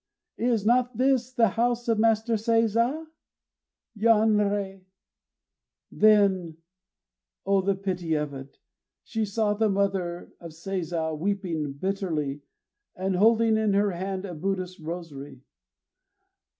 is not this the house of Master Seiza?" Yanrei! Then O the pity of it! she saw the mother of Seiza, weeping bitterly, and holding in her hand a Buddhist rosary.